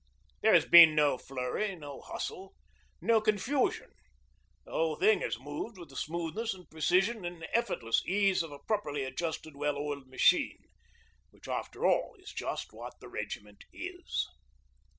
There has been no flurry, no hustle, no confusion. The whole thing has moved with the smoothness and precision and effortless ease of a properly adjusted, well oiled machine which, after all, is just what the regiment is.